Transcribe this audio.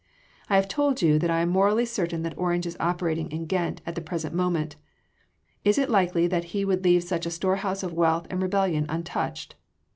I have told you that I am morally certain that Orange is operating in Ghent at the present moment. Is it likely that he would leave such a storehouse of wealth and rebellion untouched?